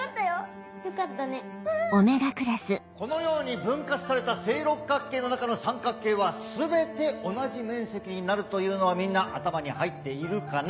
このように分割された正六角形の中の三角形は全て同じ面積になるというのはみんな頭に入っているかな。